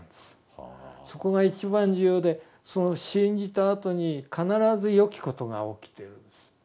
そこが一番重要でその信じたあとに必ずよきことが起きてるんです。